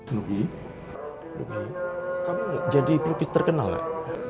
nugi kamu mau jadi pelukis terkenal gak